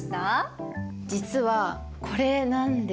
実はこれなんですけど。